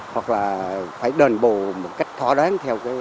hoặc là phải đền bù một cách thỏa đoán